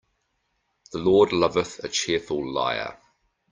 The Lord loveth a cheerful liar.